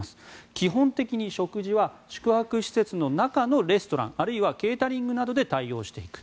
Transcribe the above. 基本的に食事は宿泊施設の中のレストランあるいはケータリングなどで対応していく。